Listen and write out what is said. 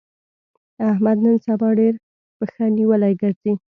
احمد نن سبا ډېر پښه نيولی ګرځي.